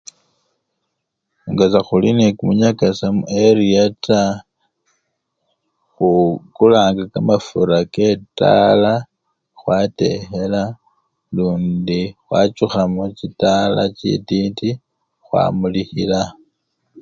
nga sekhuli ne kumunyakasa mu eria taa, khukulanga kamafura ke tala khwatekhela lundi khwachukha muchitaala chintiti khwamulikhila